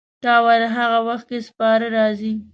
تا ویل هغه وخت کې سپاره راځي.